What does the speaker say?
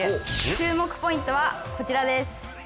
注目ポイントはこちらです。